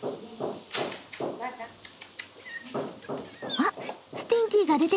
あっスティンキーが出てきた。